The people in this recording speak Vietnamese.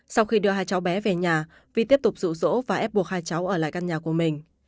sau khi đưa hai cháu bé về nhà vi tiếp tục rụ rỗ và ép buộc hai cháu ở lại căn nhà của mình